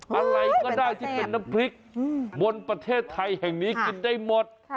อะไรก็ได้ที่เป็นน้ำพริกบนประเทศไทยแห่งนี้กินได้หมด